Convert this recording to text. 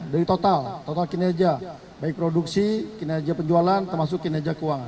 dari total total kinerja baik produksi kinerja penjualan termasuk kinerja keuangan